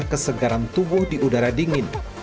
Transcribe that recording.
kesegaran tubuh di udara dingin